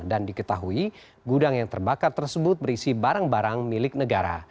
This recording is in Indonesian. dan diketahui gudang yang terbakar tersebut berisi barang barang milik negara